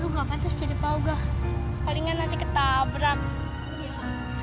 lu gak patus jadi pauga palingan nanti ketabrak